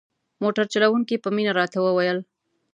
موټر چلوونکي په مینه راته وویل.